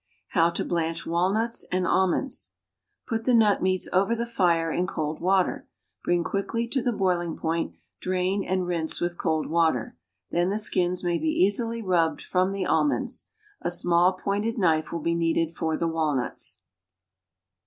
=How to Blanch Walnuts and Almonds.= Put the nut meats over the fire in cold water, bring quickly to the boiling point, drain, and rinse with cold water, then the skins may be easily rubbed from the almonds; a small pointed knife will be needed for the walnuts.